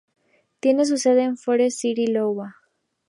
Tiene su sede en Forest City, Iowa.